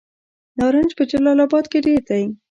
نارنج په جلال اباد کې ډیر دی.